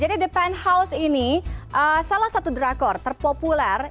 jadi the penthouse ini salah satu drakor terpopuler